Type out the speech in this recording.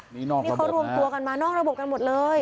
นี่เขารวมตัวกันมานอกระบบกันหมดเลย